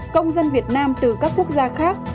công dân việt nam từ các quốc gia khác